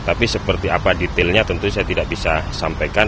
tapi seperti apa detailnya tentu saya tidak bisa sampaikan